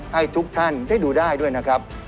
ให้ทุกท่านได้ดูได้ด้วยนะครับ